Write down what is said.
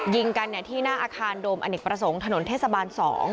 ยิงกันที่หน้าอาคารโดมอเนกประสงค์ถนนเทศบาล๒